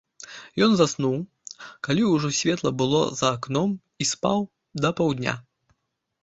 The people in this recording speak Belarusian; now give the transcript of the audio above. Ён заснуў, калі ўжо светла было за акном, і спаў да паўдня.